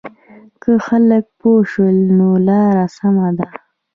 که خلک پوه شول نو لاره سمه ده.